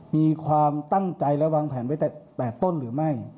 มีความตั้งใจและวางแผนไว้แต่ต้นหรือไม่